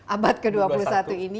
abad ke dua puluh satu ini